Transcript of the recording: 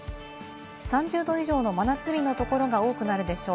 ３０度以上の真夏日のなるところが多くなるでしょう。